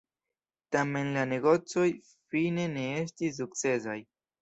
Tamen la negocoj fine ne estis sukcesaj.